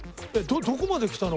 どこまで来たの？